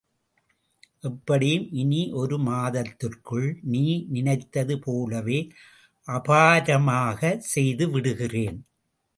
எப்படியும், இனி ஒரு மாதத்திற்குள், நீ நினைத்தது போலவே அபாரமாக செய்து விடுகிறேன்.